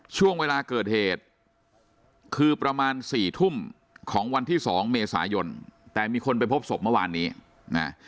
ช่วงเวลาเกิดเหตุคือประมาณสี่ทุ่มของวันที่สองเมษายนแต่มีคนไปพบศพเมื่อวานนี้นะ